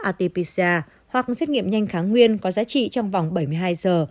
atp hoặc xét nghiệm nhanh kháng nguyên có giá trị trong vòng bảy mươi hai giờ